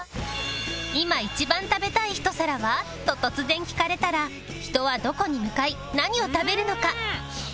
「いま一番食べたい一皿は？」と突然聞かれたら人はどこに向かい何を食べるのか？